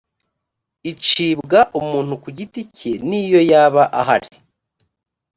icibwa umuntu ku giti cye n’iyo yaba ahari